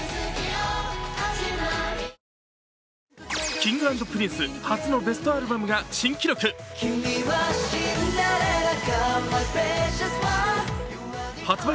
Ｋｉｎｇ＆Ｐｒｉｎｃｅ初のベストアルバムが新記録。発売